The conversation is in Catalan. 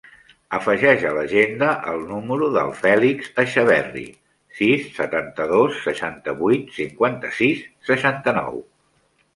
Afegeix a l'agenda el número del Fèlix Echeverri: sis, setanta-dos, seixanta-vuit, cinquanta-sis, seixanta-nou.